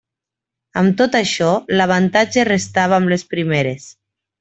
Amb tot i això, l'avantatge restava amb les primeres.